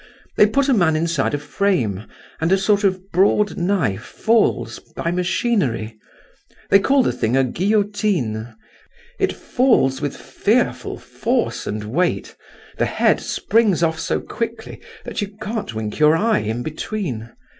They put a man inside a frame and a sort of broad knife falls by machinery—they call the thing a guillotine—it falls with fearful force and weight—the head springs off so quickly that you can't wink your eye in between.